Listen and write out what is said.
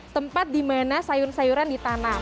tempat dimana sayur sayuran ditanam